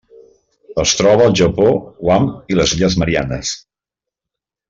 Es troba al Japó, Guam i les Illes Mariannes.